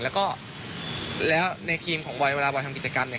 แล้วก็แล้วในทีมของบอยเวลาบอยทำกิจกรรมเนี่ย